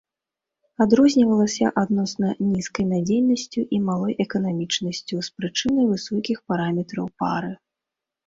Адрознівалася адносна нізкай надзейнасцю і малой эканамічнасцю, з прычыны высокіх параметраў пары.